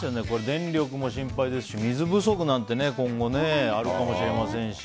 電力も心配ですし水不足なんてね今後あるかもしれませんし。